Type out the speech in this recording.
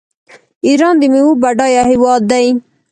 ایران د میوو بډایه هیواد دی.